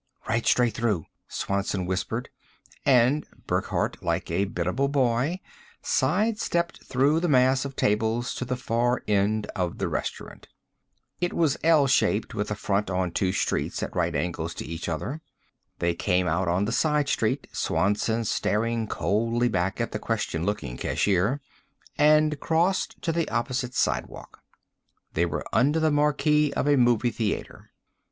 "Right straight through," Swanson whispered; and Burckhardt, like a biddable boy, side stepped through the mass of tables to the far end of the restaurant. It was "L" shaped, with a front on two streets at right angles to each other. They came out on the side street, Swanson staring coldly back at the question looking cashier, and crossed to the opposite sidewalk. They were under the marquee of a movie theater.